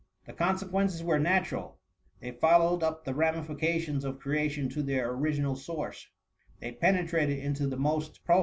The consequences were natural : they followed up the ramification^ of creation to their origi nal source ; they penetrated into the most pro THE MUMMt.